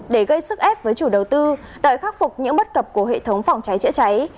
để gây sức ép với chủ đầu tư đợi khắc phục những bất cập của hệ thống phòng cháy chữa cháy